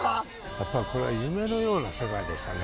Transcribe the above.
やっぱりこれは夢のような世界でしたね。